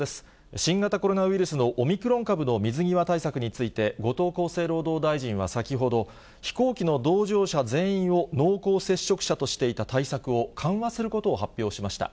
新型コロナウイルスのオミクロン株の水際対策について、後藤厚生労働大臣は先ほど、飛行機の同乗者全員を濃厚接触者としていた対策を緩和することを発表しました。